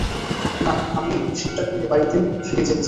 না, আমি শিপটা ঘুরিয়ে বাড়িতে ফিরে যেতে চাই!